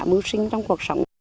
mưu sinh trong cuộc sống